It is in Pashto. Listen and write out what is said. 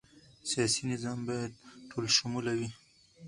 سیاسي نظام باید ټولشموله وي